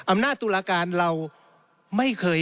อำนาจตุลาการเราไม่เคย